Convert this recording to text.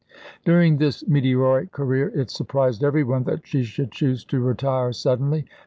During this meteoric career it surprised every one that she should choose to retire suddenly.